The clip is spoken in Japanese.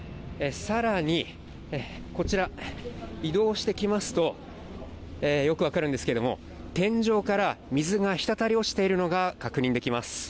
さらにこちら移動してきますと、よくわかるんですけども、天井から水が滴り落ちているのが確認できます。